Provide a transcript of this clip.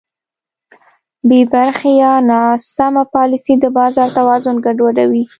بېبرخې یا ناسمه پالیسي د بازار توازن ګډوډوي.